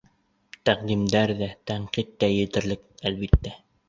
Тәҡдимдәр ҙә, тәнҡит тә етерлек, әлбиттә.